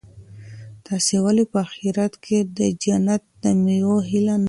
تاسي ولي په اخیرت کي د جنت د مېوو هیله نه لرئ؟